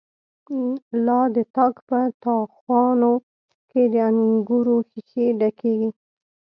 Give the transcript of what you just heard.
لا د تاک په تا خانو کی، د انگور ښیښی ډکیږی